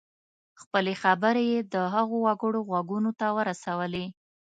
خپلې خبرې یې د هغو وګړو غوږونو ته ورسولې.